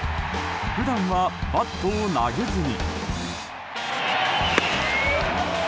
普段はバットを投げずに。